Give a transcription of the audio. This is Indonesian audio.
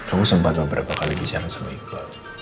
aku sempet beberapa kali bicara sama iqbal